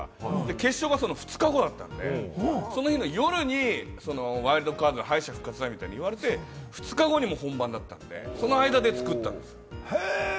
決勝がその２日後だったんで、その日の夜にワイルドカード、敗者復活戦みたいに言われて、２日後に本番だったんで、その間で作ったんです。